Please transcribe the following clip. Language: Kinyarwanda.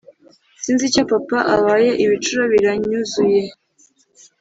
sinzi icyo papa abaye ibicuro biranyuzuye."